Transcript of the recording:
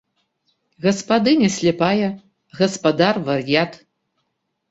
Гаспадыня сляпая, гаспадар вар'ят.